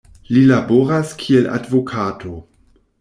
Li laboras kiel advokato.